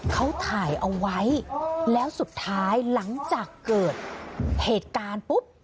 เขาถ่ายเอาไว้แล้วสุดท้ายหลังจากเกิดเหตุการณ์ปุ๊บ